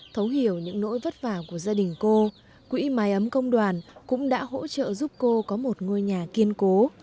thấu hiểu những nỗi vất vả của gia đình cô quỹ mái ấm công đoàn cũng đã hỗ trợ giúp cô có một ngôi nhà kiên cố